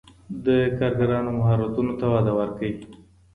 د کارګرانو مهارتونو ته وده ورکړئ.